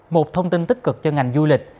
một thông tin tích cực cho ngành du lịch